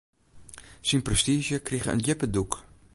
Syn prestiizje krige in djippe dûk.